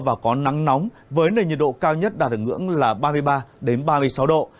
và có nắng nóng với nền nhiệt độ cao nhất đạt được ngưỡng là ba mươi ba ba mươi sáu độ